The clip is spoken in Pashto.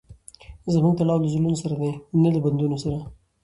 زموږ تړاو له زړونو سره دئ؛ نه له بدنونو سره.